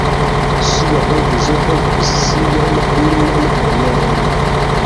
Ŝia edzo helpis sian filman karieron.